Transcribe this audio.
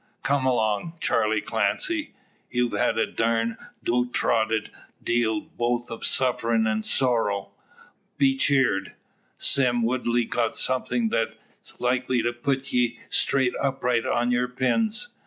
Come along, Charley Clancy! Ye've had a durned dodrotted deal both o' sufferin' an' sorrow. Be cheered! Sime Woodley's got somethin' thet's likely to put ye straight upright on your pins.